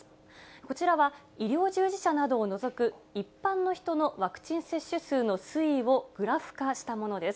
こちらは医療従事者などを除く一般の人のワクチン接種数の推移をグラフ化したものです。